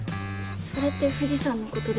それって藤さんのことですか？